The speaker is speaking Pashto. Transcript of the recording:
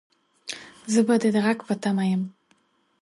زه به دې د غږ په تمه يم